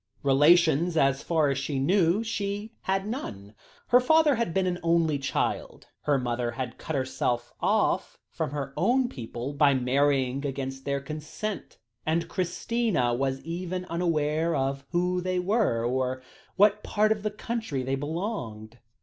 Relations, as far as she knew, she had none. Her father had been an only child. Her mother had cut herself off from her own people by marrying against their consent, and Christina was even unaware of who they were, or to what part of the country they belonged.